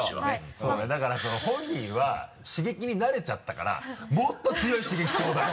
そうねだから本人は刺激に慣れちゃったからもっと強い刺激ちょうだい！